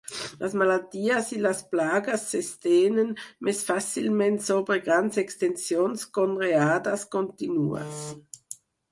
Les malalties i les plagues s'estenen més fàcilment sobre grans extensions conreades contínues.